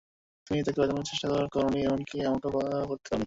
তুমি তাকে বাচানোর চেষ্টা করনি এমনকি আমাকেও করতে দাও নি।